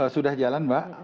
sudah jalan mbak